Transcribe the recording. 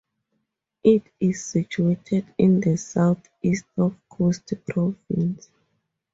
It is situated in the southeast of Coast Province.